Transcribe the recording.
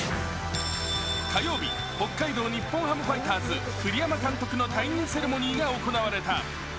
火曜日、北海道日本ハムファイターズ、栗山監督の退任セレモニーが行われた。